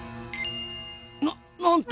ななんと！